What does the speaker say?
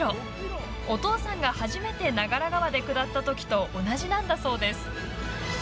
お父さんが初めて長良川で下った時と同じなんだそうです。